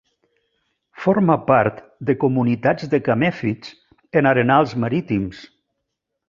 Forma part de comunitats de camèfits en arenals marítims.